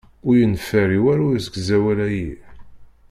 Ur yenfiɛ i walu usegzawal-ayi.